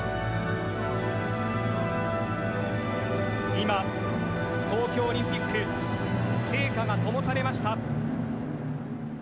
今、東京オリンピック、聖火がともされました。